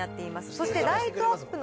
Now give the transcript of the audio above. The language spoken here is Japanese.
そしてライトアップの。